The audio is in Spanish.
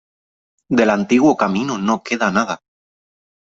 Del antiguo camino no queda nada.